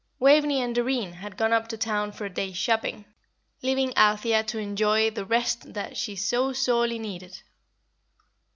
Waveney and Doreen had gone up to town for a day's shopping, leaving Althea to enjoy the rest that she so sorely needed.